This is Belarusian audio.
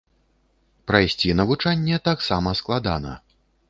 Прайсці навучанне таксама складана.